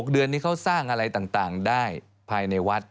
เดือนนี้เขาสร้างอะไรต่างได้ภายในวัด